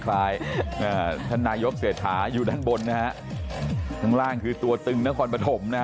ท่านนายกเศรษฐาอยู่ด้านบนนะฮะข้างล่างคือตัวตึงนครปฐมนะฮะ